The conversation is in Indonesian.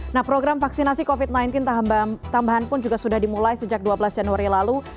nah program vaksinasi covid sembilan belas tambahan pun juga sudah dimulai sejak dua belas januari lalu